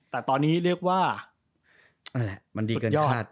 แต่ตอนนี้เรียกว่าสุดยอด